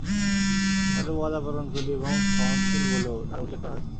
তাছাড়া ওয়াদা পালনকারী এবং সহনশীল বলেও তাঁর উল্লেখ করা হয়েছে।